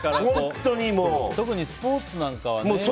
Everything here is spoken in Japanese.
特にスポーツなんかはね。